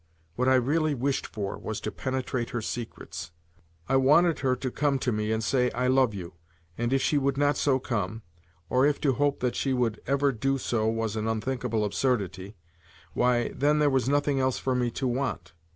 What I really wished for was to penetrate her secrets. I wanted her to come to me and say, "I love you," and, if she would not so come, or if to hope that she would ever do so was an unthinkable absurdity—why, then there was nothing else for me to want.